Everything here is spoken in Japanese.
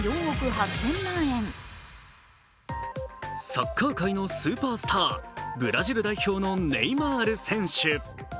サッカー界のスーパースターブラジル代表のネイマール選手。